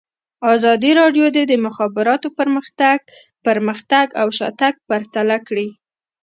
ازادي راډیو د د مخابراتو پرمختګ پرمختګ او شاتګ پرتله کړی.